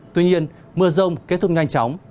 tuy nhiên mưa rông kết thúc nhanh chóng